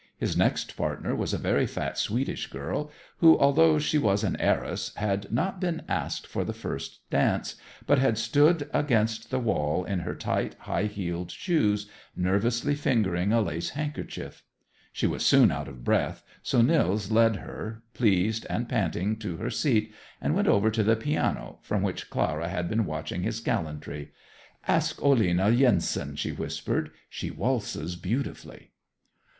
His next partner was a very fat Swedish girl, who, although she was an heiress, had not been asked for the first dance, but had stood against the wall in her tight, high heeled shoes, nervously fingering a lace handkerchief. She was soon out of breath, so Nils led her, pleased and panting, to her seat, and went over to the piano, from which Clara had been watching his gallantry. "Ask Olena Yenson," she whispered. "She waltzes beautifully."